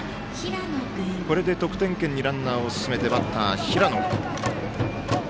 これで得点圏にバッターを進めてピッチャーの平野。